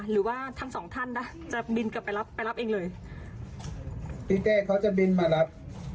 หรือว่าทั้งสองท่านนะจะบินกลับไปรับไปรับเองเลยพี่เต้เขาจะบินมารับ